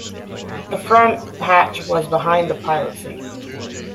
The front hatch was behind the pilot's seat.